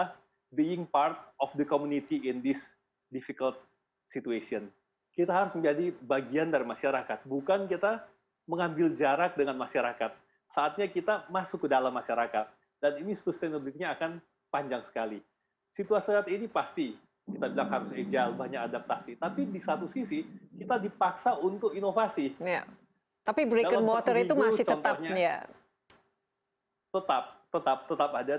harus hadir banyak sekali yang